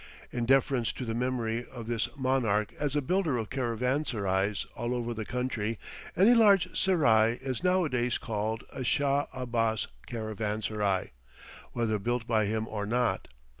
In deference to the memory of this monarch as a builder of caravanserais all over the country, any large serai is nowadays called a Shah Abbas caravanserai, whether built by him or not.